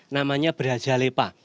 namanya berhaja lepa